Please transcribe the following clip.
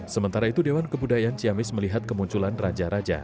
sementara itu dewan kebudayaan ciamis melihat kemunculan raja raja